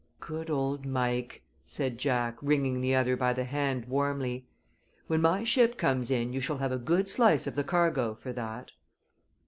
"Good old Mike!" said Jack, wringing the other by the hand warmly. "When my ship comes in you shall have a good slice of the cargo for that."